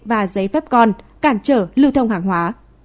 và giấy phép con cản trở lưu thông hàng hóa